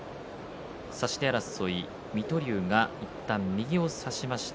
差し手争い、水戸龍がいったん右を差しました。